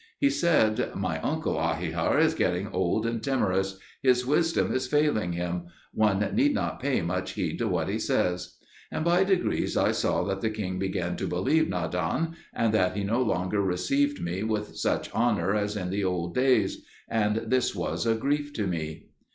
He said, "My uncle Ahikar is getting old and timorous: his wisdom is failing him: one need not pay much heed to what he says." And by degrees I saw that the king began to believe Nadan, and that he no longer received me with such honour as in the old days: and this was a grief to me.